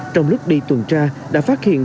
trong lúc đi tuần tra đã phát hiện